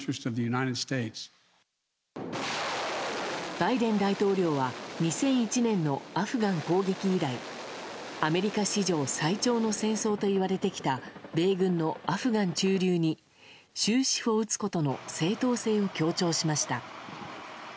バイデン大統領は２００１年のアフガン攻撃以来アメリカ史上最長の戦争といわれてきた米軍のアフガン駐留に終止符を打つことの正当性を強調しました。